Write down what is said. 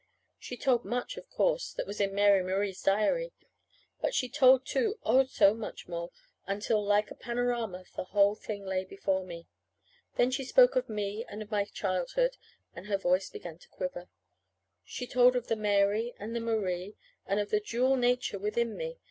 She told much, of course, that was in Mary Marie's diary; but she told, too, oh, so much more, until like a panorama the whole thing lay before me. Then she spoke of me, and of my childhood, and her voice began to quiver. She told of the Mary and the Marie, and of the dual nature within me.